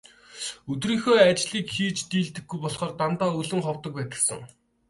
Өдрийнхөө ажлыг хийж дийлдэггүй болохоор дандаа өлөн ховдог байдагсан.